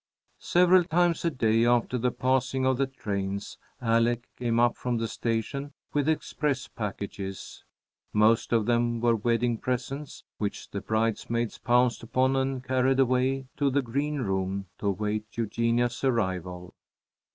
Several times a day, after the passing of the trains, Alec came up from the station with express packages. Most of them were wedding presents, which the bridesmaids pounced upon and carried away to the green room to await Eugenia's arrival.